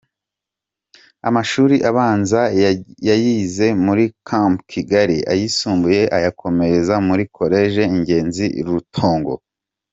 Amashuri abanza yayize muri Camp Kigali ayisumbuye ayakomereza muri College Ingenzi i Rutongo.